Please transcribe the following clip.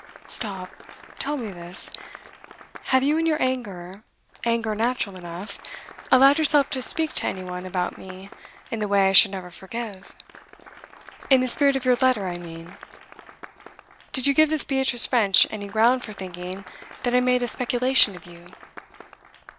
'Stop. Tell me this. Have you in your anger anger natural enough allowed yourself to speak to any one about me in the way I should never forgive? In the spirit of your letter, I mean. Did you give this Beatrice French any ground for thinking that I made a speculation of you?